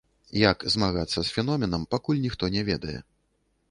Як змагацца з феноменам, пакуль ніхто не ведае.